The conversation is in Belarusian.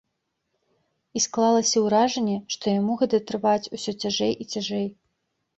І, склалася ўражанне, што яму гэта трываць усё цяжэй і цяжэй.